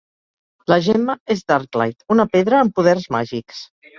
La gemma és Darklight, una pedra amb poders màgics.